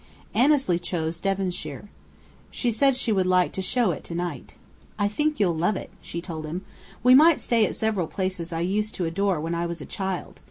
Annesley chose Devonshire. She said she would like to show it to Knight. "I think you'll love it," she told him. "We might stay at several places I used to adore when I was a child.